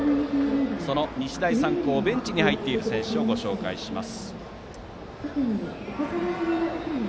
その日大三高ベンチに入っている選手をご紹介します。